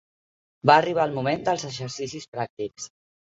Va arribar el moment dels exercicis pràctics